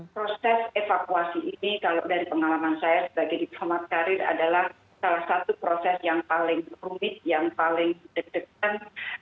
proses evakuasi ini kalau dari pengalaman saya sebagai diplomat karir adalah salah satu proses yang paling rumit yang paling deg degan